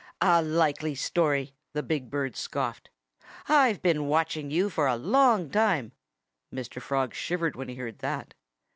"A likely story!" the big bird scoffed. "I've been watching you for a long time (Mr. Frog shivered when he heard that!)